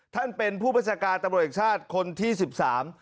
ท่านเป็นผู้บัญชาการตำรวจแห่งชาติคนที่สิบสาม